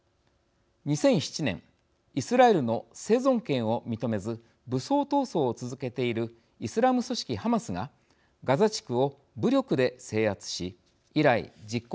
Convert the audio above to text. ２００７年イスラエルの生存権を認めず武装闘争を続けているイスラム組織ハマスがガザ地区を武力で制圧し以来実効支配しています。